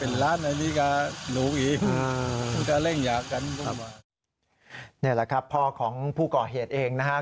นี่แหละครับพ่อของผู้ก่อเหตุเองนะครับ